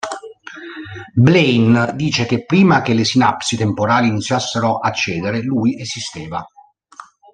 Blaine dice che prima che le sinapsi temporali iniziassero a cedere lui esisteva.